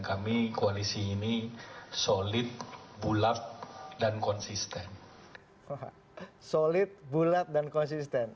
kami koalisi ini solid bulat dan konsisten